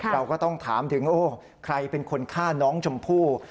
เราก็ต้องถามถึงใครเป็นคนฆ่าน้องชมพู่